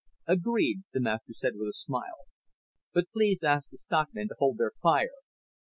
"Agreed," the Master said with a smile. "But please ask their stockmen to hold their fire.